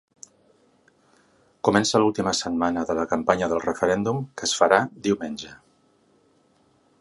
Comença l’última setmana de la campanya del referèndum que es farà diumenge.